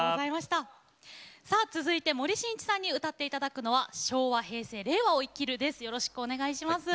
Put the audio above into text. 続いて森進一さんに歌っていただくのは「昭和・平成・令和を生きる」です。